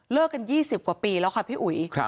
กัน๒๐กว่าปีแล้วค่ะพี่อุ๋ย